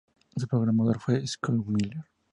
Su programador fue Scott Miller.